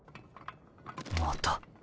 また